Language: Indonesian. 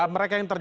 mereka yang ter